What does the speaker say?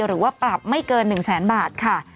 หรือว่าปรับไม่เกิน๑แสนบาทค่ะ